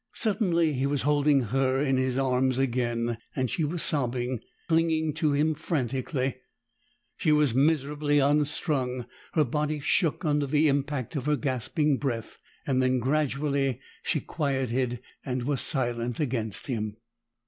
Suddenly he was holding her in his arms again, and she was sobbing, clinging to him frantically. She was miserably unstrung; her body shook under the impact of her gasping breath. Then gradually, she quieted, and was silent against him.